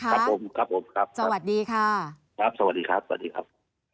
ครับผมครับผมครับสวัสดีค่ะครับสวัสดีครับสวัสดีครับ